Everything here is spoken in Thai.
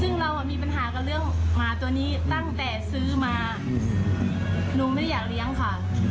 ซึ่งเรามีปัญหากับเรื่องหมาตัวนี้ตั้งแต่ซื้อมาหนูไม่ได้อยากเลี้ยงค่ะ